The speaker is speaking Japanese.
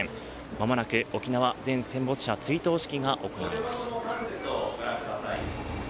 まもなく沖縄全戦没者追悼式が行われます。